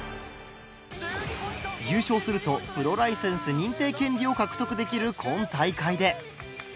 優勝するとプロライセンス認定権利を獲得できる今大会で。